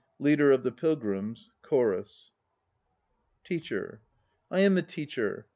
LEADER OF THE PILGRIMS. PILGRIMS. CHORUS. TEACHER. I am a teacher.